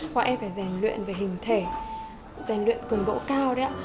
bọn em phải rèn luyện về hình thể rèn luyện cường độ cao